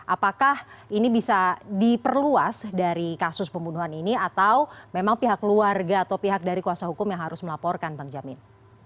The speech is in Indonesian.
apakah ini bisa diperluas dari kasus pembunuhan ini atau memang pihak keluarga atau pihak dari kuasa hukum yang harus melaporkan bang jamin